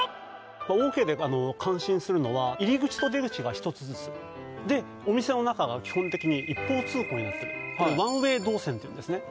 オーケーで感心するのは入口と出口が一つずつでお店の中が基本的に一方通行になってるワンウェイ導線っていうんですね